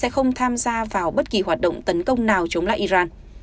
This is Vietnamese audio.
sẽ không tham gia vào bất kỳ hoạt động tấn công nào chống lại iran